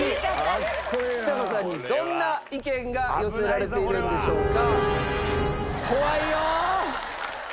ちさ子さんにどんな意見が寄せられているんでしょうか？